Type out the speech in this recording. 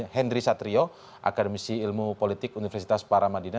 henry satrio akademisi ilmu politik universitas paramadina